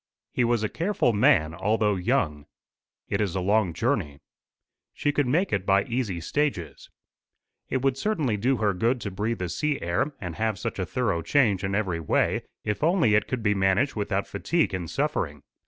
He was a careful man, although young. "It is a long journey." "She could make it by easy stages." "It would certainly do her good to breathe the sea air and have such a thorough change in every way if only it could be managed without fatigue and suffering.